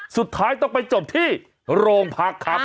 สุดท้ายต้องไปจบที่โรงพักครับ